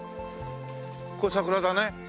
これ桜だね。